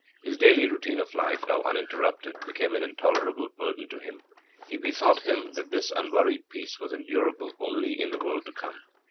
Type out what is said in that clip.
His daily routine of life, now uninterrupted, became an intolerable burden to him. He bethought him that this unworried peace was endurable only in the world to come.